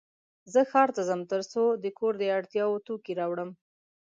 زه ښار ته ځم ترڅو د کور د اړتیا وړ توکې راوړم.